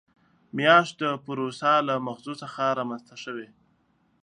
میاشت د پوروسا له مغزو څخه رامنځته شوې.